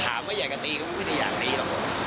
แต่ถ้าอยากจะตีเขาก็ไม่ได้อย่างนี้หรอก